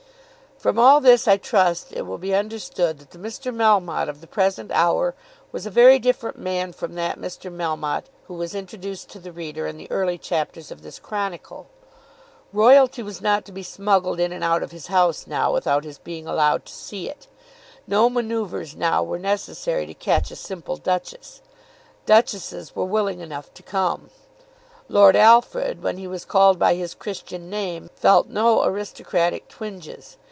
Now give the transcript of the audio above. From all this I trust it will be understood that the Mr. Melmotte of the present hour was a very different man from that Mr. Melmotte who was introduced to the reader in the early chapters of this chronicle. Royalty was not to be smuggled in and out of his house now without his being allowed to see it. No manoeuvres now were necessary to catch a simple duchess. Duchesses were willing enough to come. Lord Alfred when he was called by his Christian name felt no aristocratic twinges.